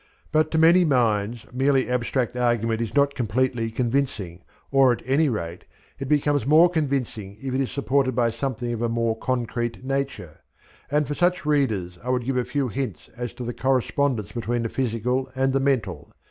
But to many minds merely abstract argument is not completely convincing, or at any rate it becomes more convincing if it is supported by something of a more concrete nature; and for such readers I would give a few hints as to the correspondence between the physical and the mental.